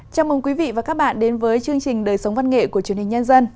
chào mừng quý vị và các bạn đến với chương trình đời sống văn nghệ của truyền hình nhân dân